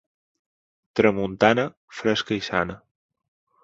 Tramuntana, fresca i sana.